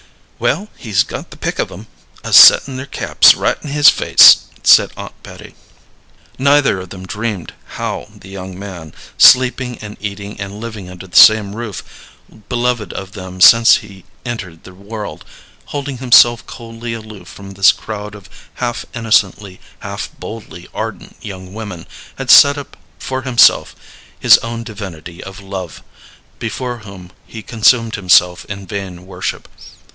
"Well, he's got the pick of 'em, a settin' their caps right in his face," said Aunt Betty. Neither of them dreamed how the young man, sleeping and eating and living under the same roof, beloved of them since he entered the world, holding himself coldly aloof from this crowd of half innocently, half boldly ardent young women, had set up for himself his own divinity of love, before whom he consumed himself in vain worship.